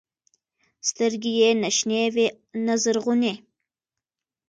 سترګې يې نه شنې وې نه زرغونې.